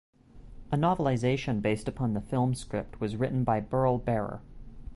A novelization based upon the film script was written by Burl Barer.